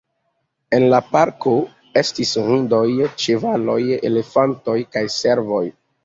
En la parko estis hundoj, ĉevaloj, elefantoj kaj servoj.